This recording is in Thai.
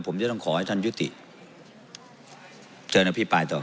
ผมจะต้องขอให้ท่านยุติเชิญอภิปรายต่อ